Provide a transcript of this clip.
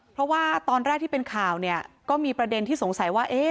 เพราะว่าตอนแรกที่เป็นข่าวเนี่ยก็มีประเด็นที่สงสัยว่า